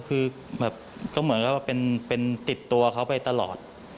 คือแบบก็เหมือนกับว่าเป็นติดตัวเขาไปตลอด